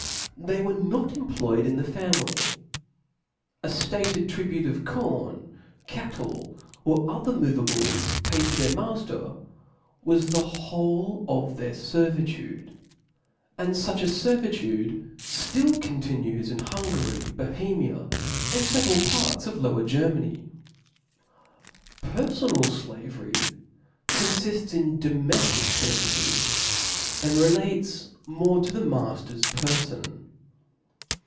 They were not employed in the family : a ftated tribute of corn, cattle, or other moveables, paid to their mailer, was the whole of their fervitude. And fuch a fervitude ftill continues in Hungary, Bohemia, and feveral parts of Lower Germany. Perfonal flavery confifts in domeftic fervices, and relates more to the mafter*s perfon.